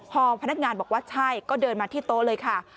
พอพนักงานบอกว่าใช่ก็เดินมาที่โต๊ะเลยค่ะ